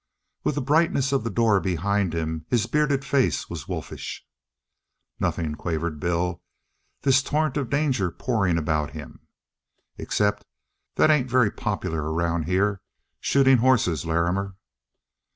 With the brightness of the door behind him, his bearded face was wolfish. "Nothing," quavered Bill, this torrent of danger pouring about him. "Except that it ain't very popular around here shooting hosses, Larrimer."